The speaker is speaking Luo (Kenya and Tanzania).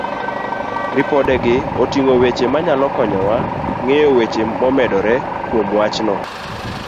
Ripodegi oting'o weche manyalo konyowa ng'eyo weche momedore kuom wachno.